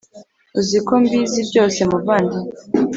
uziko mbizi byose muvandi